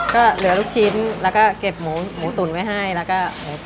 ก็เหลือลูกชิ้นแล้วก็เก็บหมูตุ๋นไว้ให้แล้วก็หมูตุ๋